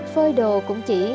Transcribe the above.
phơi đồ cũng chỉ